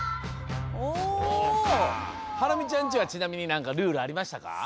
ハラミちゃんちはちなみになんかルールありましたか？